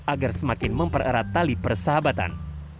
agar semakin mempererat tali persahabatan